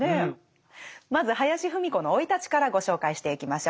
まず林芙美子の生い立ちからご紹介していきましょう。